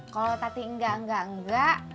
kalau tadi enggak enggak